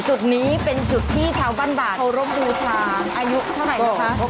จุดนี้เป็นจุดที่ชาวบ้านบาดเคารพบูชาอายุเท่าไหร่นะคะ